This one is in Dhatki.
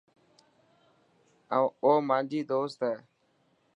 او مانجي دوست هي.